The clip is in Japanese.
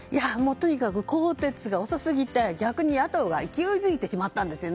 とにかく更迭が遅すぎて逆に野党が勢いづいてしまったんです。